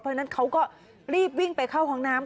เพราะฉะนั้นเขาก็รีบวิ่งไปเข้าห้องน้ำ